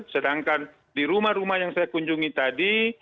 sedangkan di rumah rumah yang saya kunjungi tadi